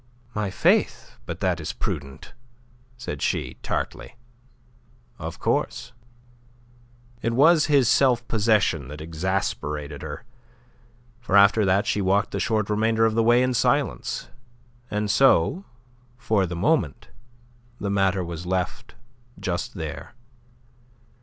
"My faith, but that is prudent," said she, tartly. "Of course." It was his self possession that exasperated her; for after that she walked the short remainder of the way in silence, and so, for the moment, the matter was left just there.